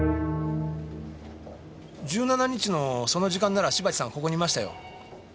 １７日のその時間なら芝木さんここにいましたよ。